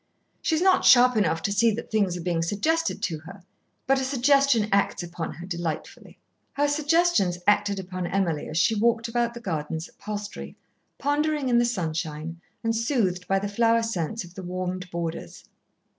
"She's not sharp enough to see that things are being suggested to her, but a suggestion acts upon her delightfully." Her suggestions acted upon Emily as she walked about the gardens at Palstrey, pondering in the sunshine and soothed by the flower scents of the warmed borders.